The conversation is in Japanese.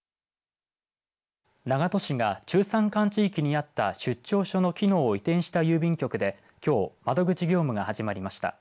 長門市が中山間地域にあった出張所の機能を移転した郵便局できょう窓口業務が始まりました。